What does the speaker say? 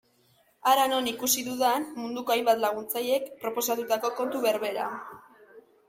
Hara non ikusi dudan munduko hainbat laguntzailek proposatutako kontu berbera.